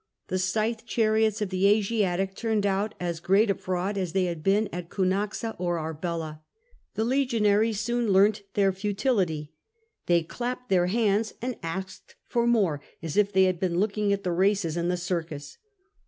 The scythe chariots of the Asiatic turned out as great a fraud as they had been at Ounaxa or Arbela. The legionaries soon learnt their futility ; they clapped their hands and asked for more, as if they had been looking at the races in the circus."